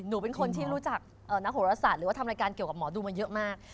หนูเป็นคนที่รู้จักนักโหรศาสตร์หรือว่าทำรายการเกี่ยวกับหมอดูมาเยอะมาก